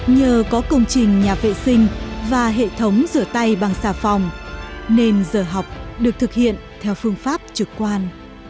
nhờ có công trình nhà vệ sinh và hệ thống rửa tay bằng xà phòng nên giờ học được thực hiện theo phương pháp trực quan